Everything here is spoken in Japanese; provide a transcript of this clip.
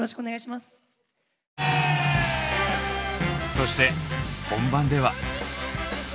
そして本番では。